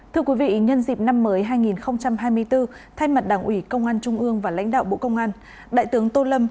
thưa quý vị nhân dịp năm mới hai nghìn hai mươi bốn thay mặt đảng ủy công an trung ương và lãnh đạo bộ công an đại tướng tô lâm